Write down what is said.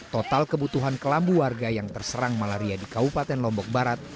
total kebutuhan kelambu warga yang terserang malaria di kabupaten lombok barat